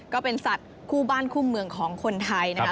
ก็เป็นสัตว์คู่บ้านคู่เมืองของคนไทยนะคะ